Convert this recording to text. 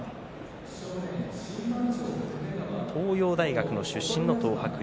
東洋大学の出身の東白龍。